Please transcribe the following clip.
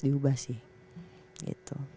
diubah sih gitu